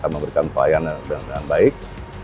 memberikan pelayanan dengan baik